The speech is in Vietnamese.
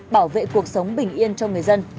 bảo vệ cuộc sống bình yên cho người dân